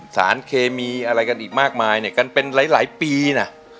สารเคมีอะไรกันอีกมากมายเนี่ยกันเป็นหลายปีนะ